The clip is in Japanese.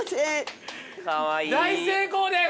大成功です。